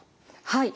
はい。